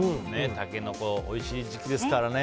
タケノコおいしい時期ですからね。